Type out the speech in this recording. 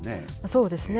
そうですね。